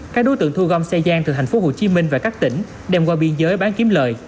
các đối tượng thu gom xe giang từ thành phố hồ chí minh và các tỉnh đem qua biên giới bán kiếm lời